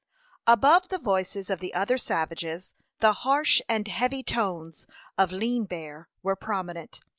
Above the voices of the other savages, the harsh and heavy tones of Lean Bear were prominent.